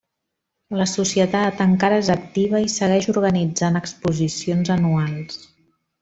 La societat encara és activa i segueix organitzant exposicions anuals.